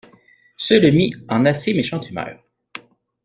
Ce le mit en assez méchante humeur.